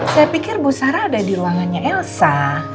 saya pikir bu sarah ada di lengannya elsa